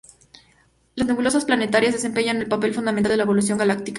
Las nebulosas planetarias desempeñan un papel fundamental en la evolución galáctica.